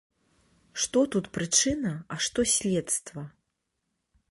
Што тут прычына, а што следства?